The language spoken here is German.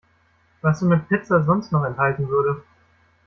Was so 'ne Pizza sonst noch enthalten würde.